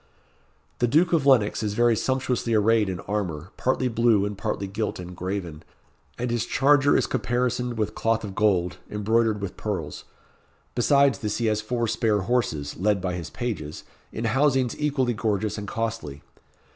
The Duke of Lennox is very sumptuously arrayed in armour, partly blue, and partly gilt and graven, and his charger is caparisoned with cloth of gold, embroidered with pearls. Besides this he has four spare horses, led by his pages, in housings equally gorgeous and costly.